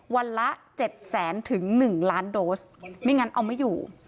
วันละ๗แสนถึง๑ล้านโดสไม่งั้นเอาไม่อยู่